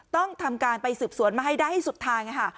ต้องทำการไปสืบสวนมาให้ได้ให้สุดทางค่ะ